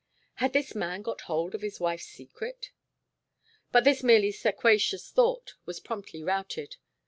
Had this man got hold of his wife's secret? But this merely sequacious thought was promptly routed.